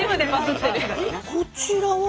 こちらは？